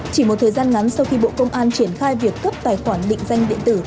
chỉ một thời gian ngắn sau khi bộ công an triển khai việc cấp tài khoản định danh điện tử